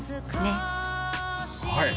はい！